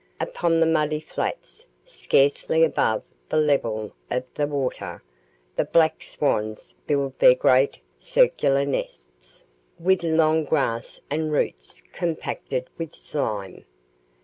Upon the muddy flats, scarcely above the level of the water, the black swans build their great circular nests, with long grass and roots compacted with slime.